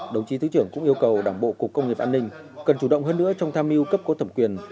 đồng chí thứ trưởng cũng yêu cầu đảng bộ cục công nghiệp an ninh cần chủ động hơn nữa trong tham mưu cấp có thẩm quyền